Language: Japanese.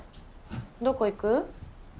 どこ行く？